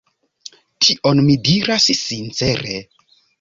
Tion mi diras sincere.